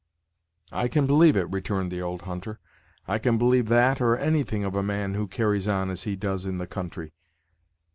"I can believe it," returned the old hunter; "I can believe that or anything of a man who carries on as he does in the country."